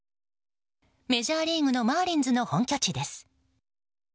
メジャーリーグのマーリンズの本拠地です。